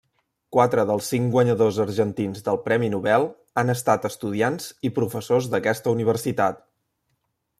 Quatre dels cinc guanyadors argentins del Premi Nobel han estat estudiants i professors d'aquesta universitat.